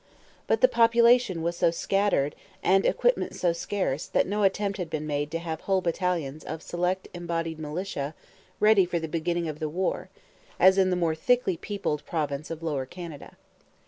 But the population was so scattered and equipment so scarce that no attempt had been made to have whole battalions of 'Select Embodied Militia' ready for the beginning of the war, as in the more thickly peopled province of Lower Canada.